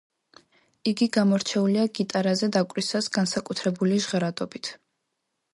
იგი გამორჩეულია გიტარაზე დაკვრისას განსაკუთრებული ჟღერადობით.